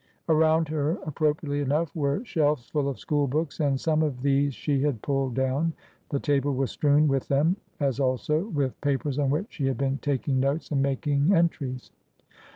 Around her, appropriately enough, were shelves full of school books, and some of these she had pulled down. The table was strewn with them, as also with papers on which she had been taking notes and making entries.